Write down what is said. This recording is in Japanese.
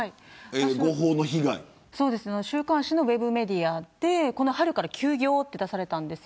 週刊誌のウェブメディアでこの春から休業と出されました。